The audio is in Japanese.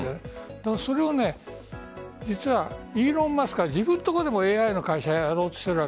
それをイーロン・マスクは自分のところでもＡＩの会社をやろうとしている。